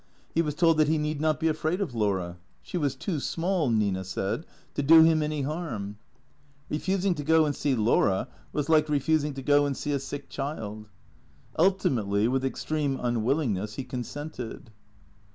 He was told that he need not be afraid of Laura. She was too small, Nina said, to do him any harm. Eefusing to go and see Laura was like refusing to go and see a sick child. Ultimately, with extreme unwillingness, he consented.